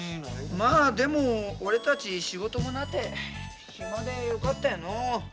まあでも俺たち仕事もなて暇でよかったよのう。